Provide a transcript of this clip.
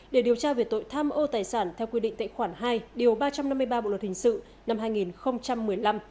để điều tra về tội tham ô tài sản theo quy định tệ khoản hai điều ba trăm năm mươi ba bộ luật hình sự năm hai nghìn một mươi năm